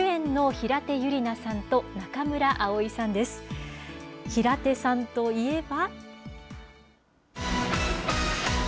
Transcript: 平手さんといえば。